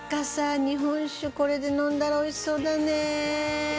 日本酒これで飲んだらおいしそうだね。